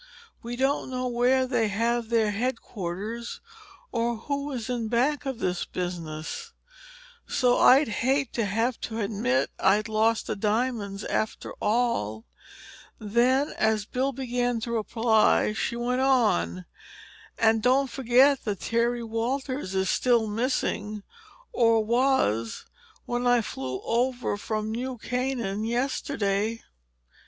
We don't know where they have their headquarters or who is in back of this business. So I'd hate to have to admit I'd lost the diamonds, after all." Then, as Bill began to reply, she went on: "And don't forget that Terry Walters is still missing—or was, when I flew over from New Canaan yesterday!"